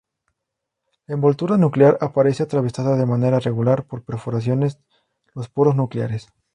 La envoltura nuclear aparece atravesada de manera regular por perforaciones, los poros nucleares.